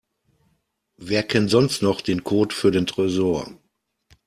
Wer kennt sonst noch den Code für den Tresor?